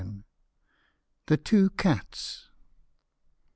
THE TWO CATS.